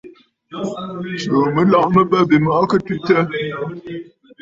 Tsuu mɨlɔ̀ʼɔ̀ mɨ bə̂ bîmɔʼɔ kɨ twitə̂.